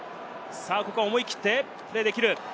ここは思い切ってプレーできる。